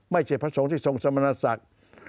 ไม่ใช่พระสงฆ์ที่ทรงสมณศักดิ์